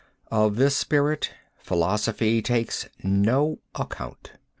Of this spirit philosophy takes no account.